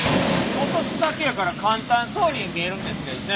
落とすだけやから簡単そうに見えるんですけどね。